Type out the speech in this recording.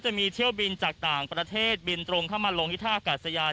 จะมีเที่ยวบินจากต่างประเทศบินตรงเข้ามาลงที่ท่ากาศยาน